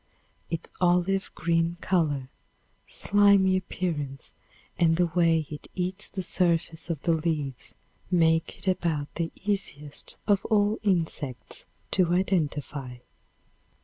Its olive green color, slimy appearance and the way it eats the surface of the leaves make it about the easiest of all insects to identify.